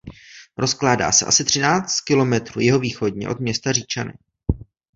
Rozkládá se asi třináct kilometrů jihovýchodně od města Říčany.